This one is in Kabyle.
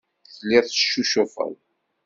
Telliḍ teccucufeḍ.